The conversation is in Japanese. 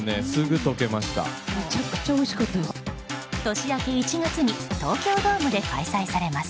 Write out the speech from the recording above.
年明け１月に東京ドームで開催されます。